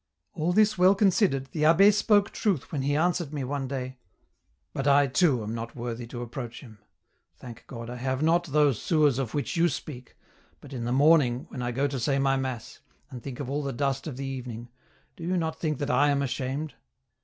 " All this well considered, the abbd spoke truth when he answered me one day : 'But I too am not worthy to approach Him ; thank God, I have not those sewers of which you speak, but in the morning, when I go to say my mass, and think of all the dust of the evening, do you not think that I am ashamed